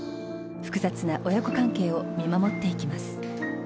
複雑な親子関係を見守っていきます。